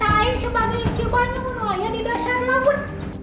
tak aing sebagai akibanyu dia di dasar laut